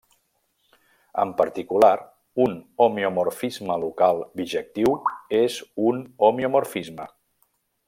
En particular, un homeomorfisme local bijectiu és un homeomorfisme.